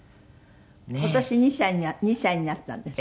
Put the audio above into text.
今年２歳に２歳になったんですって？